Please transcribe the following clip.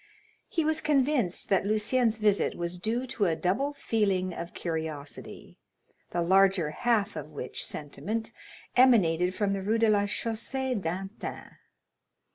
He was convinced that Lucien's visit was due to a double feeling of curiosity, the larger half of which sentiment emanated from the Rue de la Chaussée d'Antin.